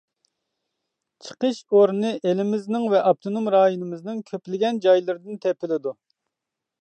چىقىش ئورنى ئېلىمىزنىڭ ۋە ئاپتونوم رايونىمىزنىڭ كۆپلىگەن جايلىرىدىن تېپىلىدۇ.